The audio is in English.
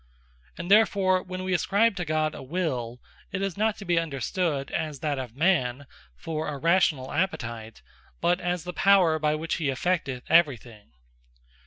And therefore when we ascribe to God a Will, it is not to be understood, as that of Man, for a Rationall Appetite; but as the Power, by which he effecteth every thing.